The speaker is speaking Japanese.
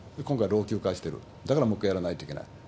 今回老朽化してる、だからもう一回やらないといけない。